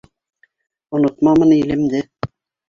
Онотмамын илемде.